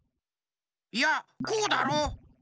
いやこうだろ。